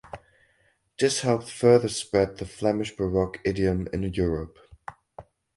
This helped further spread the Flemish Baroque idiom in Europe.